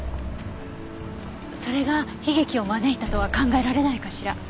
それが悲劇を招いたとは考えられないかしら？